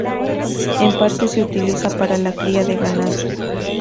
En parte se utiliza para la cría de ganado.